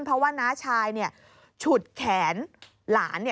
เพราะว่าน้าชายฉุดแขนหลาน